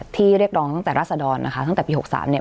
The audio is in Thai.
เรียกร้องตั้งแต่ราศดรนะคะตั้งแต่ปี๖๓เนี่ย